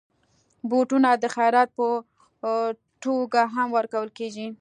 بوټونه د خيرات په توګه هم ورکول کېږي.